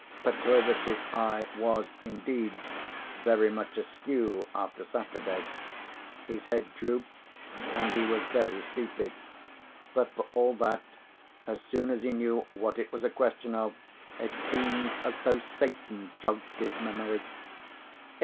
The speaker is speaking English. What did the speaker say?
Petrovitch's eye was, indeed, very much askew after Saturday: his head drooped, and he was very sleepy; but for all that, as soon as he knew what it was a question of, it seemed as though Satan jogged his memory.